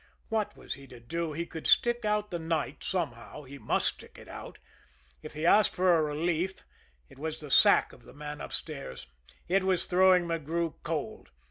What was he to do? He could stick out the night somehow he must stick it out. If he asked for a relief it was the sack for the man upstairs it was throwing McGrew cold.